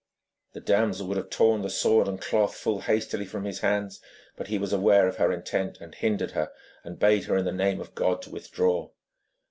The damsel would have torn the sword and the cloth full hastily from his hands, but he was aware of her intent, and hindered her, and bade her in the name of God to withdraw.